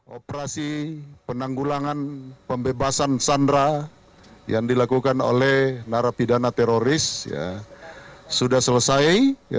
operasi penanggulangan pembebasan sandera yang dilakukan oleh narapidana teroris sudah selesai